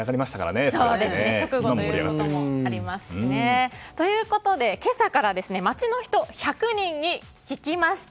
直後ということもありますしね。ということで、今朝から街の人１００人に聞きました